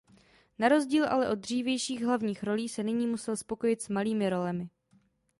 Na rozdíl ale od dřívějších hlavní rolí se nyní musel spokojit s malými rolemi.